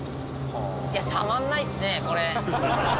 たまんないですねこれ！